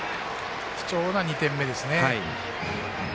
貴重な２点目ですね。